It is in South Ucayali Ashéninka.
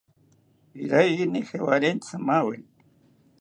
Iraiyini jawarentzi maaweni